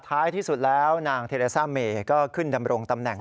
ท้ายที่สุดแล้วนางเทเลซ่าเมก็ขึ้นดำรงตำแหน่ง